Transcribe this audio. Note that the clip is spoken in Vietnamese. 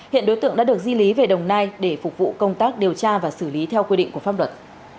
hiện đối tượng đã được di lý về đồng nai để phục vụ công tác điều tra và xử lý theo quy định của pháp luật